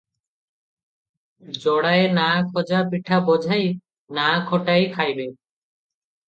ଯୋଡ଼ାଏ ନାଆ ଖଜା ପିଠା ବୋଝାଇ, ନାଆ ଖଟାଇ ଖାଇବେ ।